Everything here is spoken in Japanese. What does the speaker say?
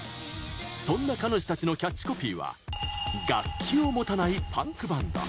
そんな彼女たちのキャッチコピーは楽器を持たないパンクバンド。